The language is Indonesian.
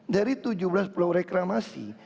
dari tujuh belas pulau reklamasi